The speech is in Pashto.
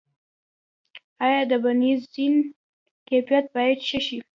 آیا د بنزین کیفیت باید ښه نشي؟